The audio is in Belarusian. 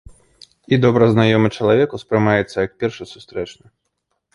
І добра знаёмы чалавек ўспрымаецца як першы сустрэчны.